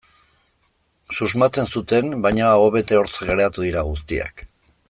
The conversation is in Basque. Susmatzen zuten, baina aho bete hortz geratu dira guztiak.